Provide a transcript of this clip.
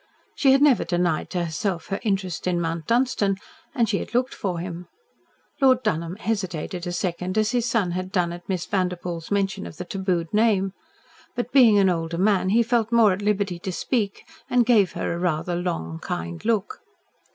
She had never denied to herself her interest in Mount Dunstan, and she had looked for him. Lord Dunholm hesitated a second, as his son had done at Miss Vanderpoel's mention of the tabooed name. But, being an older man, he felt more at liberty to speak, and gave her a rather long kind look.